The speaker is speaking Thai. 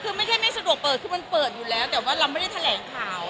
คือไม่ได้ไม่สะดวกเปิดคือมันเปิดอยู่แล้วแต่ว่าเราไม่ได้แถลงข่าว